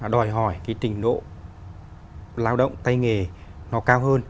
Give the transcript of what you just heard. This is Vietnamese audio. đòi hỏi cái trình độ lao động tay nghề nó cao hơn